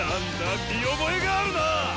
見覚えがあるな！